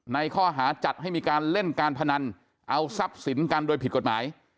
ในข้อหาจัดให้มีการเล่นการพนันเอาทรัพย์สินกันโดยผิดกฎหมาย